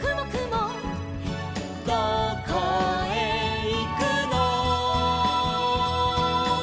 「どこへいくの」